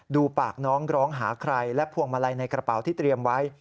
ดูปากน้องร้องหาใครและพวงมาลัยในกระเป๋าที่เตรียมไว้